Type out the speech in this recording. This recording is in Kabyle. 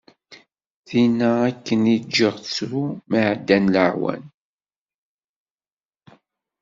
Tinna akken i ğğiɣ tettru, mi ɛeddan laɛwam.